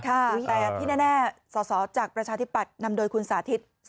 แต่ที่แน่สอสอจากประชาธิปัตย์นำโดยคุณสาธิต